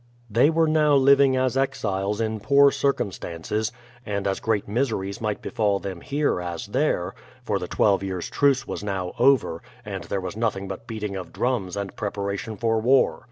They were now living as exiles in poor circumstances; and as great miseries might befall them here as there, for the twelve years' truce was now over, and there was noth ing but beating of drums and preparation for war.